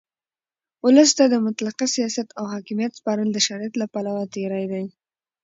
اولس ته د مطلقه سیاست او حاکمیت سپارل د شریعت له پلوه تېرى دئ.